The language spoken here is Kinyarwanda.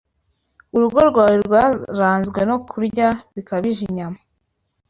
Urugo rwawe rwaranzwe no kurya bikabije inyama,